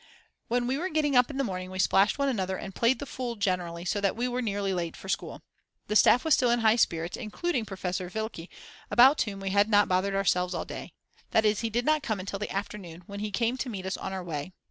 When we were getting up in the morning we splashed one another and played the fool generally, so that we were nearly late for school. The staff was still in high spirits, including Professor Wilke, about whom we had not bothered ourselves all day; that is he did not come until the afternoon when he came to meet us on our way.